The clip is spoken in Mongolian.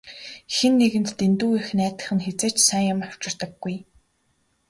Хэн нэгэнд дэндүү их найдах нь хэзээ ч сайн юм авчирдаггүй.